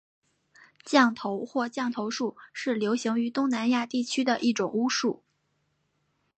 降头或降头术是流行于东南亚地区的一种巫术。